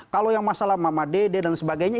kalau yang masalah mama dede dan sebagainya